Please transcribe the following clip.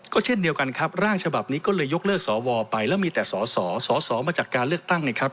ก็เช่นเดียวกันครับร่างฉบับนี้ก็เลยยกเลิกสวไปแล้วมีแต่สอสอสอสอมาจากการเลือกตั้งไงครับ